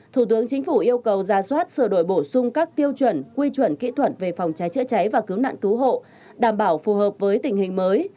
thủ tướng chính phủ yêu cầu ra soát sửa đổi bổ sung các tiêu chuẩn quy chuẩn kỹ thuật về phòng cháy chữa cháy và cứu nạn cứu hộ đảm bảo phù hợp với tình hình mới